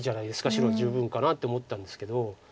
白十分かなって思ったんですけど。